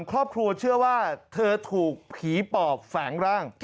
ครอบครัวเชื่อว่าเธอถูกผีปอบแฝงร่าง